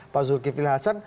pak zulkifil hasan